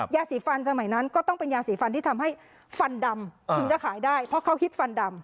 ยาสีฟันสมัยนั้นก็ต้องเป็นยาสีฟันที่ทำให้ฟันดำถึงจะขายได้เพราะเขาฮิตฟันดำ